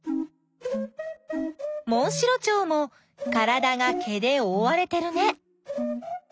モンシロチョウもからだが毛でおおわれてるね。